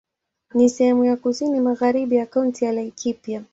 Ni sehemu ya kusini magharibi ya Kaunti ya Laikipia.